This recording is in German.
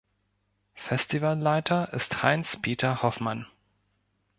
Festivalleiter ist Heinz-Peter Hoffmann.